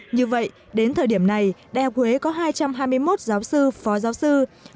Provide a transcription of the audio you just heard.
như vậy đến thời điểm này đại học huế có hai trăm hai mươi một giáo sư phó giáo sư